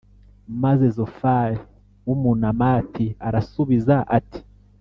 maze zofari w’umunāmati arasubiza ati